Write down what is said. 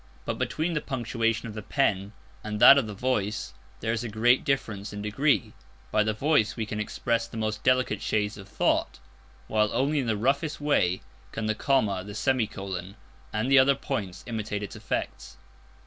But between the punctuation of the pen and that of the voice there is a great difference in degree. By the voice we can express the most delicate shades of thought, while only in the roughest way can the comma, the semicolon, and the other points, imitate its effects.